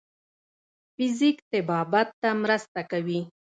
فزیک طبابت ته مرسته کوي.